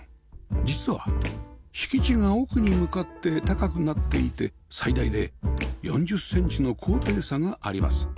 実は敷地が奥に向かって高くなっていて最大で４０センチの高低差があります